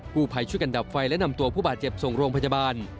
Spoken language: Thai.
ผู้ภัยช่วยกันดับไฟและนำตัวผู้บาดเจ็บส่งโรงพยาบาล